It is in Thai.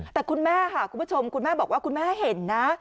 แต่คุณแม่ค่ะคุณผู้ชมคุณแม่บอกว่าคุณแม่เห็นนะ